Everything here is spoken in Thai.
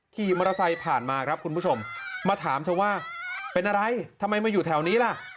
ขี่มอเตอร์ไซค์ผ่านมาครับคุณผู้ชมมาถามเธอว่าเป็นอะไรทำไมมาอยู่แถวนี้ล่ะ